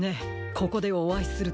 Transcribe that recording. ここでおあいするとは。